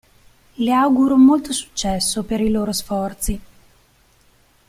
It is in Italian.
Le auguro molto successo per i loro sforzi".